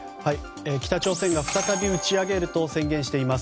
北朝鮮が再び打ち上げると宣言しています